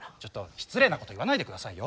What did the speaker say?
失礼なこと言わないで下さいよ。